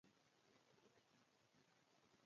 په دې لاره کې ډېر غرونه او پېچومي شته.